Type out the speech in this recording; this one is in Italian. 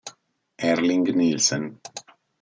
Erling Nilsen